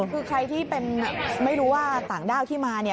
คือใครที่เป็นไม่รู้ว่าต่างด้าวที่มา